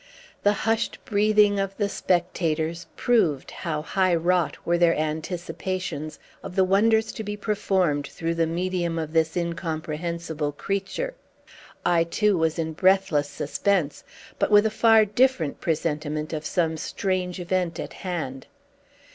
The hushed breathing of the spectators proved how high wrought were their anticipations of the wonders to be performed through the medium of this incomprehensible creature. I, too, was in breathless suspense, but with a far different presentiment of some strange event at hand.